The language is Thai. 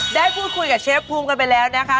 ได้พูดคุยกับเชฟภูมิกันไปแล้วนะคะ